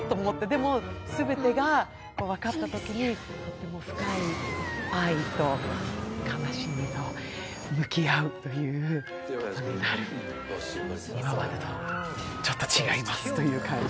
でも全てが分かったときに、とても深い愛と悲しみと向き合うということになる今までとちょっと違いますっていう感じ。